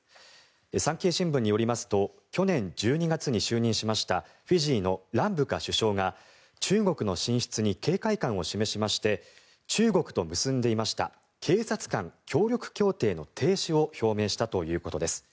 産経新聞によりますと去年１２月に就任しましたフィジーのランブカ首相が中国の進出に警戒感を示しまして中国と結んでいました警察間協力協定の停止を表明したということです。